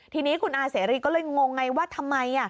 ทีนี้คุณอาเสรีก็เลยงงไงว่าทำไม